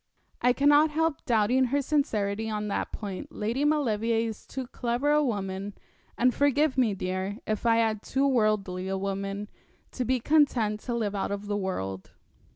'I cannot help doubting her sincerity on that point. Lady Maulevrier is too clever a woman, and forgive me, dear, if I add too worldly a woman, to be content to live out of the world.